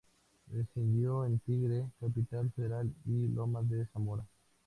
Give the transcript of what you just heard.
Residió en Tigre, Capital Federal y Lomas de Zamora.